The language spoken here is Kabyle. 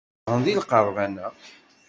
Zedɣen deg lqerban-a.